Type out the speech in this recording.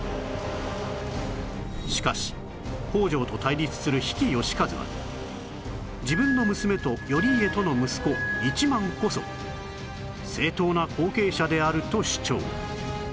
しかし北条と対立する比企能員は自分の娘と頼家との息子一幡こそ正統な後継者であると主張